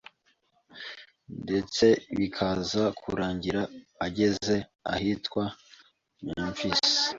ndetse bikaza kurangira ageze ahitwa Memphis